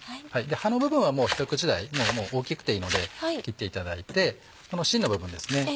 葉の部分は一口大大きくていいので切っていただいてこの芯の部分ですね